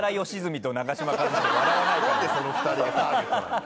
何でその２人がターゲットなんだ。